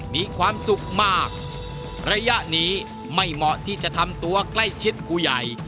มีความสุขมากระยะนี้ไม่เหมาะที่จะทำตัวใกล้ชิดผู้ใหญ่